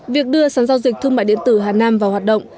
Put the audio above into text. việc đưa sản giao dịch thương mại điện tử hà nam vào hoạt động